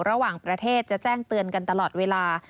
ระหว่างประเทศจะแจ้งเตือนกันตลอดเวลา